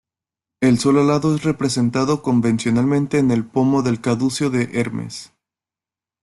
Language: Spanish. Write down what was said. El sol alado es representado convencionalmente en el pomo del caduceo de Hermes.